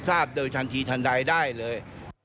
ทราบโดยทันทีทันทายได้เลย